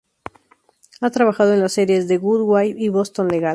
Ha trabajado en las series "The Good Wife" y "Boston Legal".